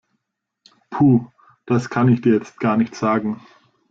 Puh, das kann ich dir jetzt gar nicht sagen.